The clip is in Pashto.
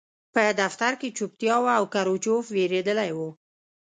په دفتر کې چوپتیا وه او کروچکوف وېرېدلی و